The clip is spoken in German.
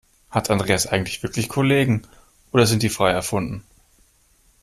Hat Andreas eigentlich wirklich Kollegen, oder sind die frei erfunden?